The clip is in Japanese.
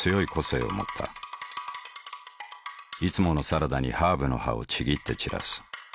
いつものサラダにハーブの葉をちぎって散らす。